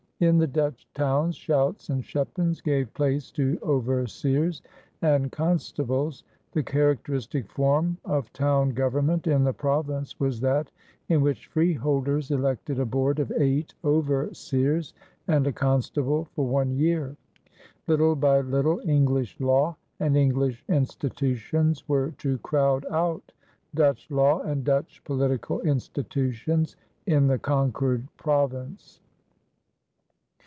In the Dutch towns schouts and schepens gave place to overseers and constables. The characteristic form of town government in the province was that in which freeholders elected a board of eight overseers and a constable for one year. Little by little English law and English institutions were to crowd out Dutch law and Dutch political institutions in the conquered province.